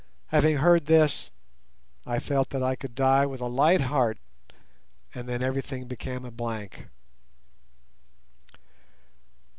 Having heard this, I felt that I could die with a light heart, and then everything became a blank.